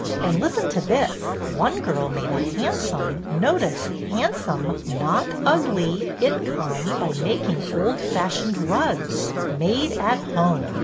And listen to this. One girl made a handsome — notice, handsome, not ugly — income by making old fashioned rugs. Made at Home